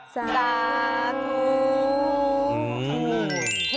สาธุ